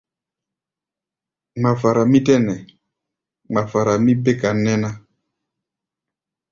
Ŋmafara mí tɛ́ nɛ, ŋmafara mí béka nɛ́ ná.